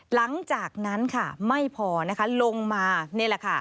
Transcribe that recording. หลังจากนั้นค่ะไม่พอนะคะลงมานี่แหละค่ะ